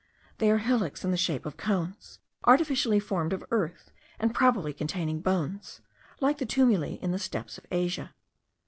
They are hillocks in the shape of cones, artificially formed of earth, and probably contain bones, like the tumuli in the steppes of Asia.